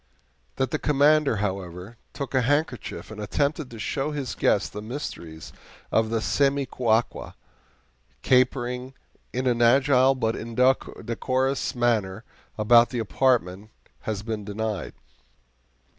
That the Commander, however, took a handkerchief and attempted to show his guest the mysteries of the SEMICUACUA, capering in an agile but indecorous manner about the apartment, has been denied.